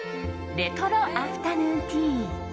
レトロアフタヌーンティー。